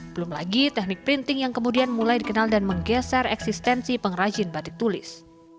belum lagi teknik printing yang kemudian mulai dikenal dan menggeser eksistensi pengrajin batik tulis